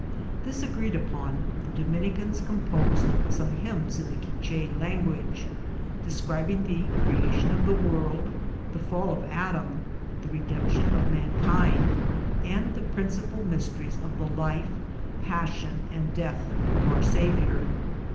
This agreed upon, the Dominicans composed some hymns in the Q,uich6 lan guage, describing the creation of the world, the fall of Adam, the redemption of mankind, and the principal mysteries of the life, passion, and death of our Saviour.